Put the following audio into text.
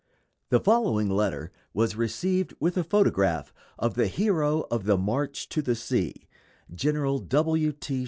] The following letter was received with a photograph of the hero of "The March to the Sea," Gen. W. T.